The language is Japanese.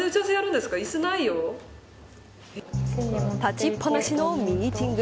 立ちっぱなしのミーティング。